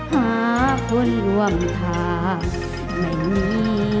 หาคุณหวังทางไม่มี